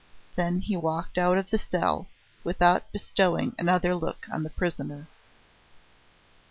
Then he walked out of the cell, without bestowing another look on the prisoner.